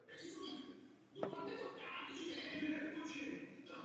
Ramsay Bolton je zajat.